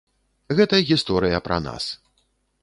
Гэта гісторыя пра нас.